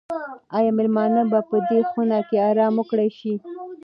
آیا مېلمانه به په دې خونه کې ارام وکړای شي؟